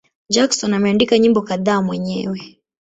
Jackson ameandika nyimbo kadhaa mwenyewe.